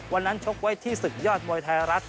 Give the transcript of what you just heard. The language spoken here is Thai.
วันนั้นชกไว้ที่ศึกยอดมวยไทยรัฐ